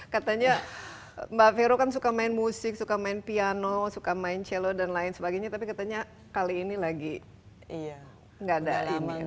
katanya mbak vero kan suka main musik suka main piano suka main celo dan lain sebagainya tapi katanya kali ini lagi gak ada ini